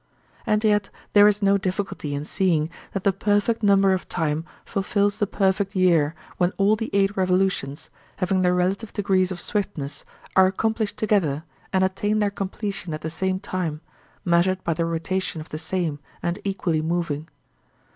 And yet there is no difficulty in seeing that the perfect number of time fulfils the perfect year when all the eight revolutions, having their relative degrees of swiftness, are accomplished together and attain their completion at the same time, measured by the rotation of the same and equally moving.